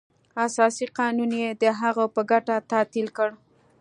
اساسي قانون یې د هغه په ګټه تعدیل کړ.